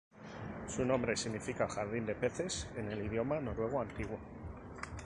Su nombre significa "Jardín de Peces" en el idioma noruego antiguo.